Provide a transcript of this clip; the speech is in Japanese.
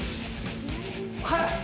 はい。